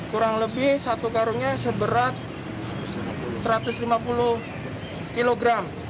kurang lebih satu karungnya seberat satu ratus lima puluh kg